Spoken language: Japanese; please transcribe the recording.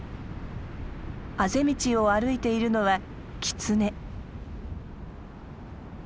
あぜ道を歩いているのはキツネ。